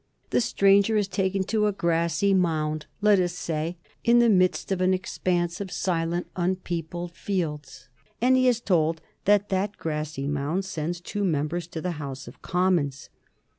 The stranger is taken to a grassy mound, let us say, in the midst of an expanse of silent, unpeopled fields, and he is told that that grassy mound sends two members to the House of Commons.